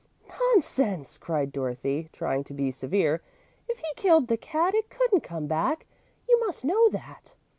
"Nonsense!" cried Dorothy, trying to be severe. "If he killed the cat, it couldn't come back you must know that."